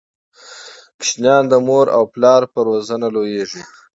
ماشومان د مور او پلار په روزنه لویږي.